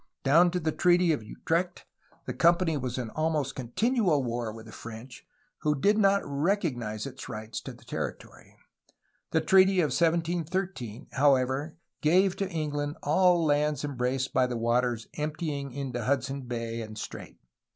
Down to the Treaty 266 A HISTORY OF CALIFORNIA of Utrecht the company was in ahnost continual war with the French, who did not recognize its rights to the territory. The treaty of 1713, however, gave to England all lands em braced by the waters emptying into Hudson Bay and Strait.